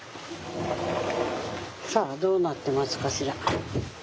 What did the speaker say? さあどうなってますかしら？